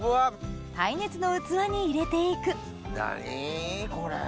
耐熱の器に入れて行く何これ！